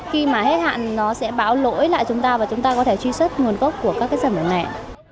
khi mà hết hạn nó sẽ báo lỗi lại chúng ta và chúng ta có thể truy xuất nguồn gốc của các cái sản phẩm này